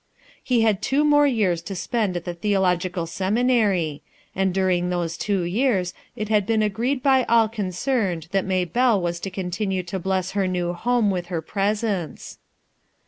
Ho had two more years to spend at the theo logical seminary, and during those two years it had been agreed by all concerned that May belle was to continue to bless her new home with her presence.